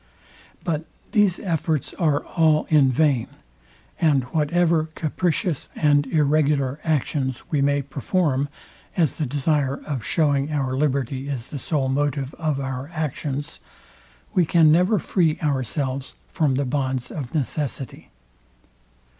But these efforts are all in vain; and whatever capricious and irregular actions we may perform; as the desire of showing our liberty is the sole motive of our actions; we can never free ourselves from the bonds of necessity.